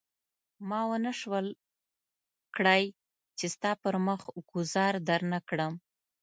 ما ونه شول کړای چې ستا پر مخ ګوزار درنه کړم.